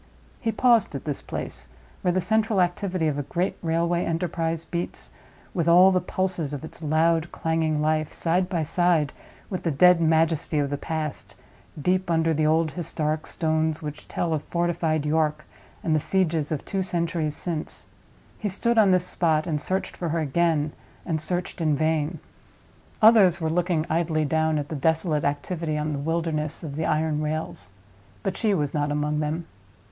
He paused at this place—where the central activity of a great railway enterprise beats, with all the pulses of its loud clanging life, side by side with the dead majesty of the past, deep under the old historic stones which tell of fortified York and the sieges of two centuries since—he stood on this spot, and searched for her again, and searched in vain. Others were looking idly down at the desolate activity on the wilderness of the iron rails; but she was not among them.